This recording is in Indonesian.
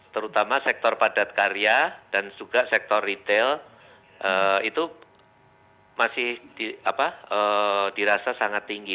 terutama sektor padat karya dan juga sektor retail itu masih dirasa sangat tinggi